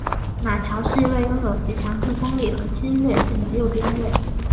马乔是一位拥有极强助攻力和侵略性的右边卫。